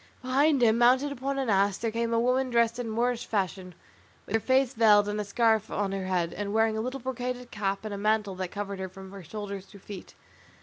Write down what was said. Behind him, mounted upon an ass, there came a woman dressed in Moorish fashion, with her face veiled and a scarf on her head, and wearing a little brocaded cap, and a mantle that covered her from her shoulders to her feet.